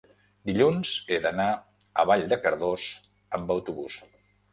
dilluns he d'anar a Vall de Cardós amb autobús.